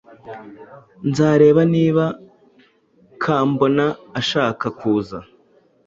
Nzareba niba Kambona ashaka kuza.